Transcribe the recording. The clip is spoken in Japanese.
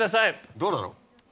どうなの？